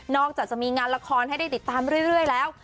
จากจะมีงานละครให้ได้ติดตามเรื่อยแล้ว